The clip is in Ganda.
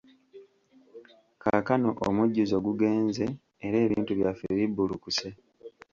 Kaakano omujjuzo gugenze era ebintu byaffe bibbulukuse.